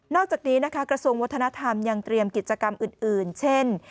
นอกจากนี้กระทรวงวัฒนธรรมยังเตรียมกิจกรรมอื่น